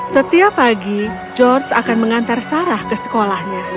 setiap pagi george akan mengantar sarah ke sekolahnya